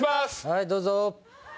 はいどうぞ。